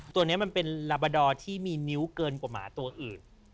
ตัวนี้มันเป็นลาบาดอร์ที่มีนิ้วเกินกว่าหมาตัวอื่น